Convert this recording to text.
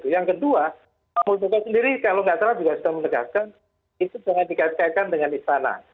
yang kedua pak muldoko sendiri kalau nggak salah juga sudah menegaskan itu jangan dikait kaitkan dengan istana